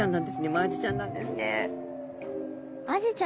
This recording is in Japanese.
マアジちゃんなんですね。